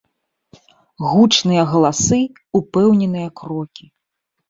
Гучныя галасы, упэўненыя крокі.